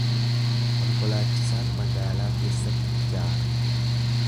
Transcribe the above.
Konkolaachisaan magaalaa keessatti ijaara.